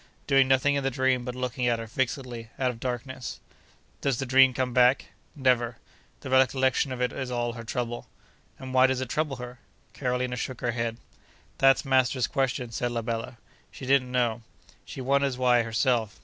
Doing nothing in the dream but looking at her fixedly, out of darkness.' 'Does the dream come back?' 'Never. The recollection of it is all her trouble.' 'And why does it trouble her?' Carolina shook her head. 'That's master's question,' said la bella. 'She don't know. She wonders why, herself.